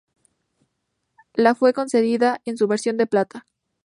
Le fue concedida en su versión de plata.